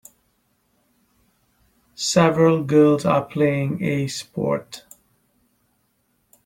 Several girls are playing a sport.